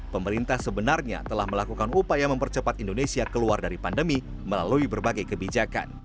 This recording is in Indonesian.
pemerintah sebenarnya telah melakukan upaya mempercepat indonesia keluar dari pandemi melalui berbagai kebijakan